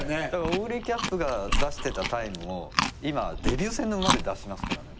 オグリキャップが出してたタイムを今デビュー戦の馬で出しますからね。